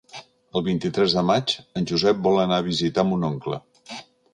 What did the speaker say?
El vint-i-tres de maig en Josep vol anar a visitar mon oncle.